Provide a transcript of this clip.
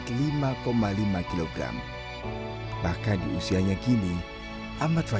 di rumah sakit atau waktu dilahirkan itu